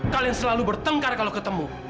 kalian selalu bertengkar kalau ketemu